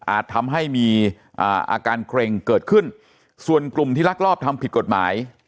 ทำให้มีอาการเกร็งเกิดขึ้นส่วนกลุ่มที่ลักลอบทำผิดกฎหมาย